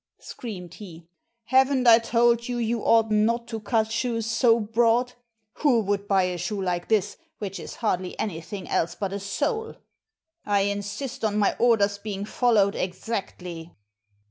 screamed he, "Haven't I told you you ought not to cut shoes so broad? Who would buy a shoe like this, which is hardly anything else but a sole? I insist on my orders being followed exactly."